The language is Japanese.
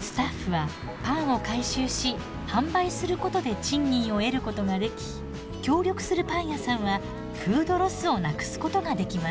スタッフはパンを回収し販売することで賃金を得ることができ協力するパン屋さんはフードロスをなくすことができます。